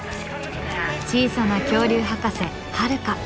小さな恐竜博士ハルカ。